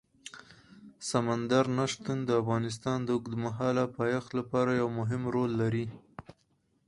سمندر نه شتون د افغانستان د اوږدمهاله پایښت لپاره یو مهم رول لري.